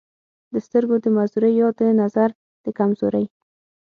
دَسترګو دَمعذورۍ يا دَنظر دَکمزورۍ